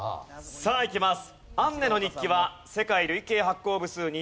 さあいきます。